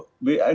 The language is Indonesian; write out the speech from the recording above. itu paling buruk